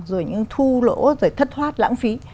rồi những thu lỗ rồi thất thoát lãng phí